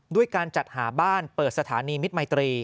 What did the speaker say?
ด้วยการจัดหาบ้านเปิดสถานีมิตรมัยตรี